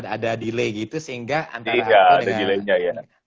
ada delay gitu sehingga antara kita dengan